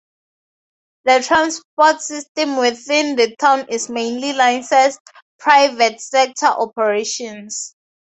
The transport system within the town is mainly licenced private sector operations.